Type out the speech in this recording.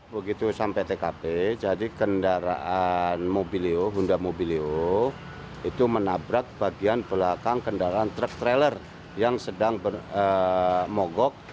begitu sampai tkp jadi kendaraan mobilio honda mobilio itu menabrak bagian belakang kendaraan truk trailer yang sedang mogok